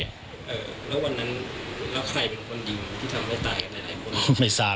แล้ววันนั้นแล้วใครเป็นคนยิงที่ทำได้ตายกับหลายคน